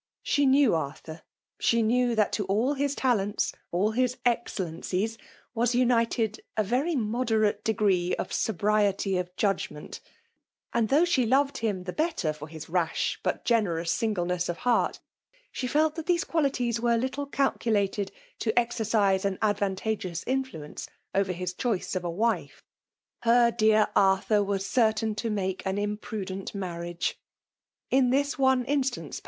She knew Arthur. She knew that to all his talents, all his excelfencies, was united a very moderate degrcie of sobriety of judgment ; and, though she loved him the better for his rash but ge tietotts sing^leness of heart, she felt that these qualities were little calculated to exercise an advantageous influence over his choice of a Her dear Arthur was certain to make aft imprudent msrnage 1 In thU one iib , stanc^